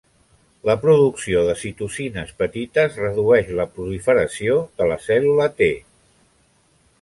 La producció de citocines petites redueix la proliferació de la cèl·lula T.